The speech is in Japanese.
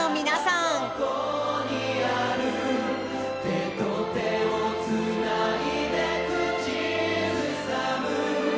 「手と手をつないで口ずさむ」